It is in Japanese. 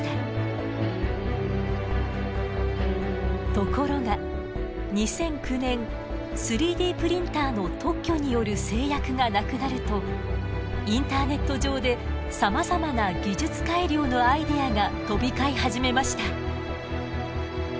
ところが２００９年３Ｄプリンターの特許による制約がなくなるとインターネット上でさまざまな技術改良のアイデアが飛び交い始めました。